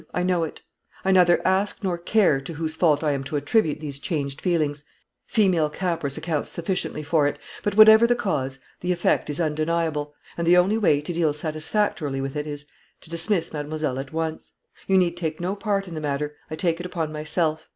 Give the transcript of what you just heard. I know it. I neither ask nor care to whose fault I am to attribute these changed feelings female caprice accounts sufficiently for it; but whatever the cause, the effect is undeniable; and the only way to deal satisfactorily with it is, to dismiss mademoiselle at once. You need take no part in the matter; I take it upon myself.